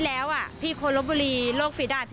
บริเวณหน้าสารพระการอำเภอเมืองจังหวัดลบบุรี